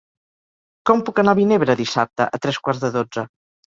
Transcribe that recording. Com puc anar a Vinebre dissabte a tres quarts de dotze?